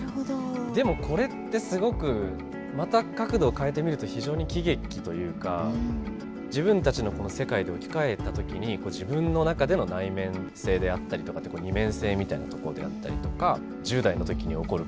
でもこれってすごくまた角度を変えてみると非常に喜劇というか自分たちの世界で置き換えた時に自分の中での内面性であったりとかって二面性みたいなところであったりとか１０代の時に起こる